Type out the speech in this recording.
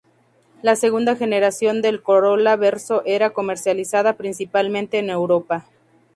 La segunda generación del Corolla Verso era comercializada principalmente en Europa.